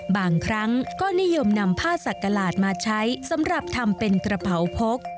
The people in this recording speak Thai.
บางครั้งก็นิยมนำผ้าสักกระหลาดมาใช้สำหรับทำเป็นกระเผาพก